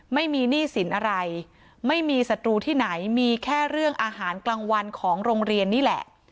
ไม่มีหนี้สินอะไรไม่มีศัตรูที่ไหนมีแค่เรื่องอาหารกลางวันของโรงเรียนนี่แหละ